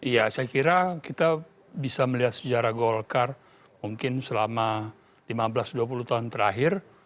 ya saya kira kita bisa melihat sejarah golkar mungkin selama lima belas dua puluh tahun terakhir